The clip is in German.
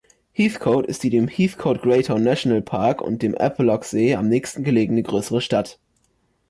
Heathcote ist die dem Heathcote-Graytown-Nationalpark und dem Eppalock-See am nächsten gelegene größere Stadt.